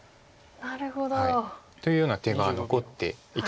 なるほど。というような手が残っていたんです。